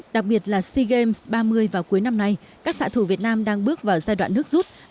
đặc biệt là sea games ba mươi vào cuối năm nay các xã thủ việt nam đang bước vào giai đoạn nước rút